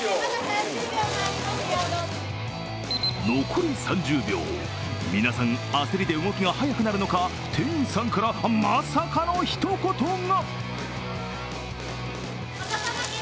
残り３０秒、皆さん、焦りで動きが速くなる中、店員さんから、まさかのひと言が。